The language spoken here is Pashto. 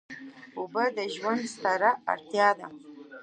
اوبه د ژوند ستره اړتیا ده.